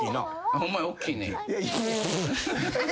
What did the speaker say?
ホンマにおっきいね。